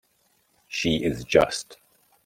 She is just.